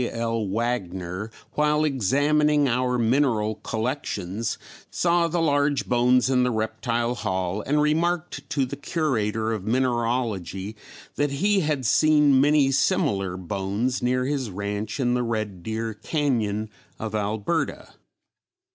L. Wagner, while examining our mineral collections saw the large bones in the Reptile Hall and remarked to the Curator of Mineralogy that he had seen many similar bones near his ranch in the Red Deer Cañon of Alberta.